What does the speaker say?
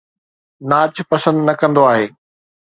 ناچ پسند نه ڪندو آهي